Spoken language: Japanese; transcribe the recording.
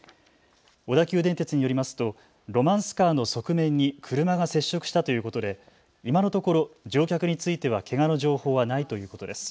小田急電鉄によりますとロマンスカーの側面に車が接触したということで今のところ乗客についてはけがの情報はないということです。